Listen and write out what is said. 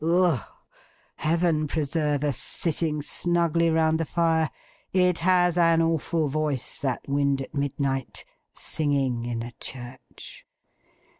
Ugh! Heaven preserve us, sitting snugly round the fire! It has an awful voice, that wind at Midnight, singing in a church!